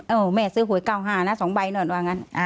แม่ซื้อหวย๙๕นะ๒ใบนอนว่างั้น